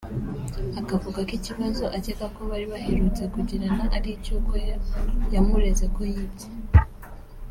Akavuga ko ikibazo akeka bari baherutse kugirana ari icy’uko yamureze ko yibye